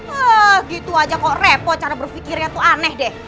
ah gitu aja kok repot cara berpikirnya tuh aneh deh